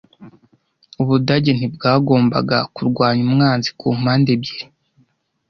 Ubudage ntibwagombaga kurwanya umwanzi kumpande ebyiri.